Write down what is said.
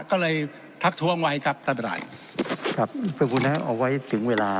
ก็เลยทักท้วงไว้ครับท่านประธานครับขอบคุณนะครับเอาไว้ถึงเวลา